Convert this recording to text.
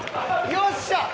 よっしゃ！